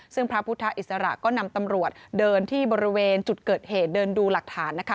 ซึ่งพระพุทธอิสระก็นำตำรวจเดินที่บริเวณจุดเกิดเหตุเดินดูหลักฐานนะคะ